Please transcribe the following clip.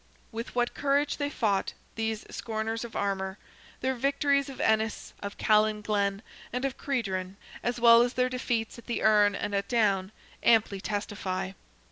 ] With what courage they fought, these scorners of armour, their victories of Ennis, of Callanglen, and of Credran, as well as their defeats at the Erne and at Down, amply testify.